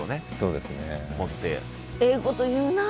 ええこと言うなあ。